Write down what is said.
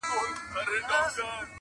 شمع به اوس څه وايی خوله نه لري٫